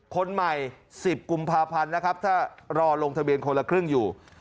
คนใหม่๑๐กุมภาพันธ์นะครับถ้ารอลงทะเบียนคนละครึ่งอยู่